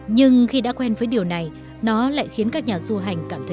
nhưng khi đã quen với điều này nó lại khiến các nhà du hành cảm thấy thú vị